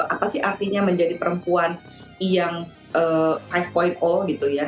apa sih artinya menjadi perempuan yang lima gitu ya